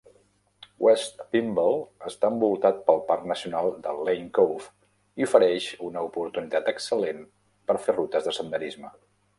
West Pymble està envoltat pel Parc Nacional de Lane Cove i ofereix una oportunitat excel·lent per fer rutes de senderisme.